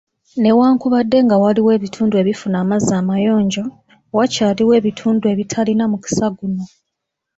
Newankubadde nga waliwo ebitundu ebifuna amazzi amayonjo, wakyaliwo ebitundu ebitalina mukisa guno